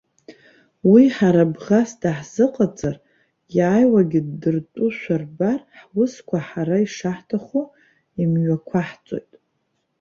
Уи ҳара бӷас даҳзыҟаҵар, иааиуагьы дыртәушәа рбар, ҳусқәа ҳара ишаҳҭаху имҩақәаҳҵоит.